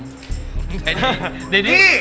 พี่